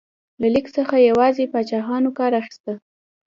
له لیک څخه یوازې پاچاهانو کار اخیسته.